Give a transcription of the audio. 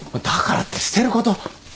だからって捨てること。